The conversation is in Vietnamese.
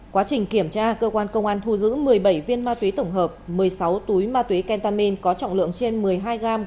quá trình kiểm tra cơ quan công an thu giữ một mươi bảy viên ma túy tổng hợp một mươi sáu túi ma túy kentamin có trọng lượng trên một mươi hai g